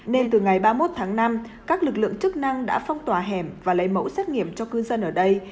nên từ ngày ba mươi một tháng năm các lực lượng chức năng đã phong tỏa hẻm và lấy mẫu xét nghiệm cho cư dân ở đây